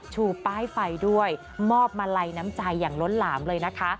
ชูป้ายไฟด้วยมอบมาลัยน้ำใจอย่างล้นหลามเลยนะคะ